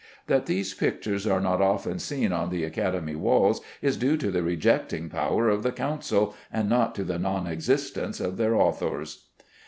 That these pictures are not often seen on the Academy walls is due to the rejecting power of the Council, and not to the non existence of their authors.